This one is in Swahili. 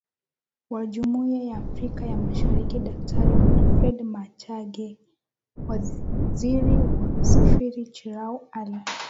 wa Jumuiya ya Afrika ya Mashariki Daktari Wilfred Machage Waziri wa usafiri Chirau Ali